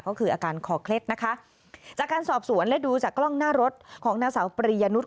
ก็คืออาการคอเคล็ดนะคะจากการสอบสวนและดูจากกล้องหน้ารถของนางสาวปริยนุษย